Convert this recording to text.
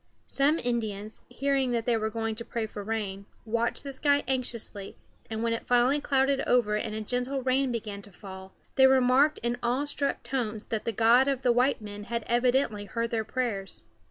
Some Indians, hearing that they were going to pray for rain, watched the sky anxiously, and when it finally clouded over and a gentle rain began to fall, they remarked in awe struck tones that the God of the white men had evidently heard their prayers.